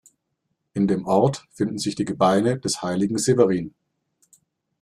In dem Ort finden sich die Gebeine des Heiligen Severin.